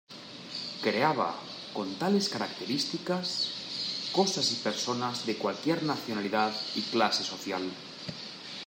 Creaba, con tales características, cosas y personas de cualquier nacionalidad y clase social.